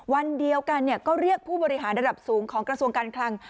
วันเดียวกันก็เรียกผู้บริหารระดับสูงของกระทรวงการคลัง